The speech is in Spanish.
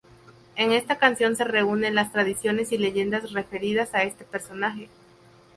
En esta canción se reúne las tradiciones y leyendas referidas a este personaje.